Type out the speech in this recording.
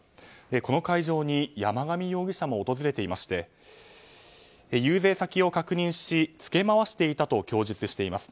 この会場に山上容疑者も訪れていまして遊説先を確認しつけ回していたと供述しています。